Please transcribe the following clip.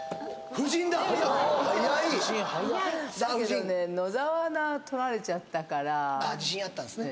夫人だけど野沢菜とられちゃったからああ自信あったんですね